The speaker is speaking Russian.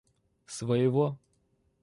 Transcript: своего